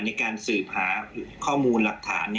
ในการสืบหาข้อมูลหลักฐาน